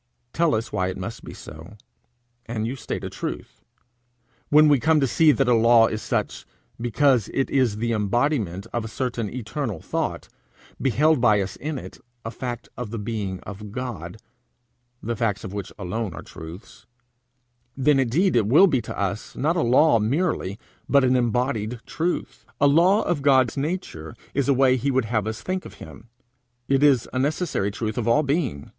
Tell us why it must be so, and you state a truth. When we come to see that a law is such, because it is the embodiment of a certain eternal thought, beheld by us in it, a fact of the being of God, the facts of which alone are truths, then indeed it will be to us, not a law merely, but an embodied truth. A law of God's nature is a way he would have us think of him; it is a necessary truth of all being.